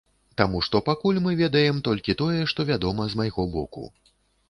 Таму што пакуль мы ведаем толькі тое, што вядома з майго боку.